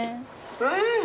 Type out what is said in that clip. うん。